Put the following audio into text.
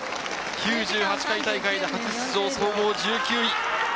９８回大会で初出場、総合１９位。